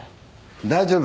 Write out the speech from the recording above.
大丈夫。